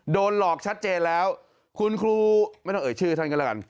โดนหลอกชัดเจนแล้วคุณครูไม่ต้องเอ่ยชื่อท่านก็แล้วกัน